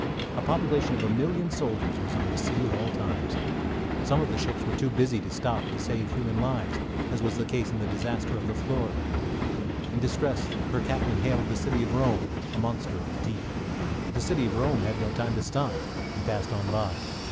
A population of a million sailors was on the sea at all times. Some of the ships were too busy to stop to save human lives, as was the case in the disaster of the "Florida." In distress, her captain hailed "The City of Rome," a monster of the deep. But "The City of Rome" had no time to stop, and passed on by.